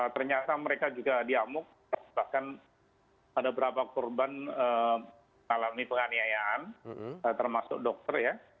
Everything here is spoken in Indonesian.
ternyata mereka juga diamuk bahkan ada berapa korban mengalami penganiayaan termasuk dokter ya